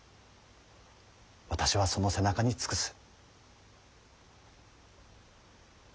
私はその背中に尽くす。